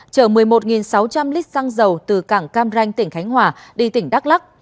chở một mươi một sáu trăm linh lít xăng dầu từ cảng cam ranh tỉnh khánh hòa đi tỉnh đắk lắc